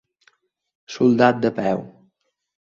Soldat de peu.